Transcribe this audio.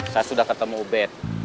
saya sudah ketemu ubed